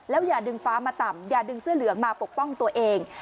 อย่าดึงฟ้ามาต่ำอย่าดึงเสื้อเหลืองมาปกป้องตัวเอง